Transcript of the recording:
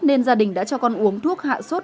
nên gia đình đã cho con uống thuốc hạ sốt